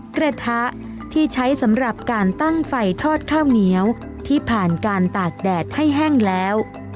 กระทะที่ใช้สำหรับการตั้งไฟทอดข้าวเหนียวที่ผ่านการตากแดดให้แห้งแล้ว